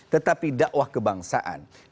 tetapi da'wah kebangsaan